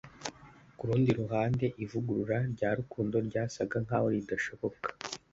Ku rundi ruhande, ivugurura rya Rukundo ryasaga nkaho ridashoboka